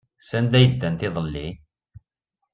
Sanda ay ddant iḍelli?